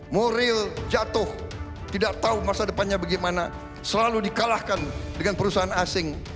moral jatuh tidak tahu masa depannya bagaimana selalu dikalahkan dengan perusahaan asing